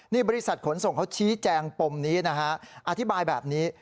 นี่บริษัทขนส่งเขาชี้แจงปมนี้นะฮะอธิบายแบบนี้